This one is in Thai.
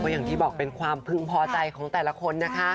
อย่างที่บอกเป็นความพึงพอใจของแต่ละคนนะคะ